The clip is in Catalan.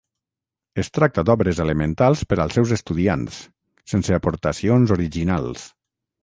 Es tracta d'obres elementals per als seus estudiants, sense aportacions originals.